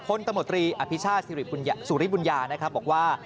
คนตมตรีอภิชาสุริบุญญาบอกว่า